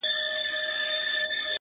چي د ژوند پیکه رنګونه زرغونه سي,